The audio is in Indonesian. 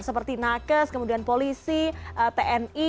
seperti nakes kemudian polisi tni